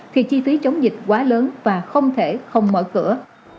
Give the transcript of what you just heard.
thì chi phí chống dịch quá lớn và không thể không mở cửa